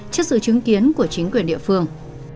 chất sự chứng kiến của chính quyền địa phương